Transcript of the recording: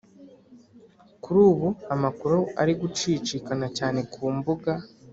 kuri ubu amakuru ari gucicikana cyane ku mbuga